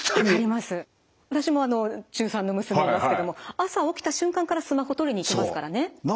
私も中３の娘がいますけども朝起きた瞬間からスマホ取りに行きますからね。